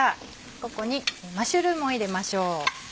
ここにマッシュルームを入れましょう。